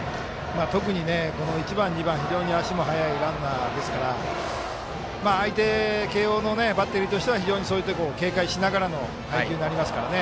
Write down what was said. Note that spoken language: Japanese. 特にこの１、２番非常に足も速いランナーですから相手、慶応のバッテリーとしては非常に警戒しながらの配球になります。